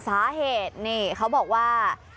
สาเหตุนี่เขาบอกว่า